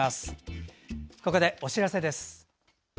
ここでお知らせです。